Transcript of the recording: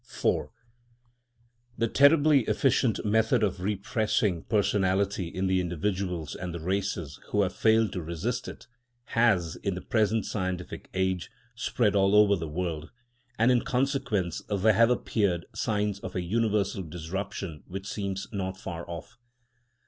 IV The terribly efficient method of repressing personality in the individuals and the races who have failed to resist it has, in the present scientific age, spread all over the world; and in consequence there have appeared signs of a universal disruption which seems not far off.